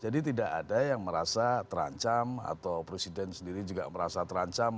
jadi tidak ada yang merasa terancam atau presiden sendiri juga merasa terancam